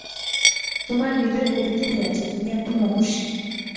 তোমার হৃদয় পবিত্র হইয়াছে, তুমি এখন মহর্ষি।